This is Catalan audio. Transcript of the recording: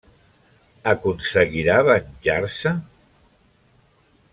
Aconseguirà venjar-se?